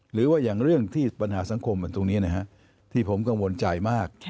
หรือว่าอย่างเรื่องที่ปัญหาสังคมตรงนี้ที่ผมกังวลใจมาก